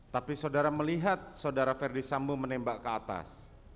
tapi saudara melihat saudara ferdisambu menembak ke atas